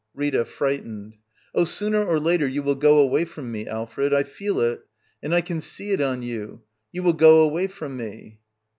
Rita. [Frightened.] Oh, sooner or later you jvill go away from me, Alfred I I feel it! And I can see it on you! You will go away from me!